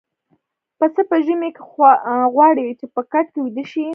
پسه په ژمي کې غواړي چې په کټ کې ويده شي.